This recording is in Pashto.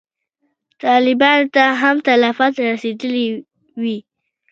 طالبانو ته هم تلفات رسېدلي وي.